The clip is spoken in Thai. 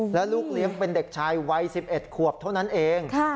แล้วลูกเลี้ยงเป็นเด็กชายวัย๑๑ขวบเท่านั้นเอง